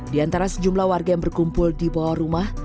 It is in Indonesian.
di antara sejumlah warga yang berkumpul di bawah rumah